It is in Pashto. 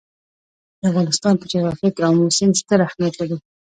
د افغانستان په جغرافیه کې آمو سیند ستر اهمیت لري.